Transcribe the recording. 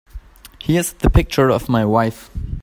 Here's the picture of my wife.